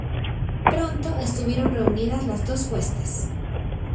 pronto estuvieron reunidas las dos huestes: